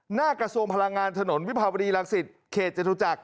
หน้ากระทรวงพลังงานถนนวิภาวดีรังสิตเขตจตุจักร